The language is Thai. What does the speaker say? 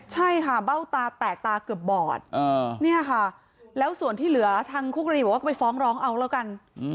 ใช่ค่ะเบ้าตาแตกตาเกือบบอดเนี่ยค่ะแล้วส่วนที่เหลือทางคุกรีบอกว่าก็ไปฟ้องร้องเอาแล้วกัน